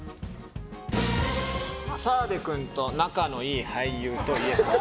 澤部君と仲の良い俳優といえば？